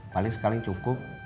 paling sekali cukup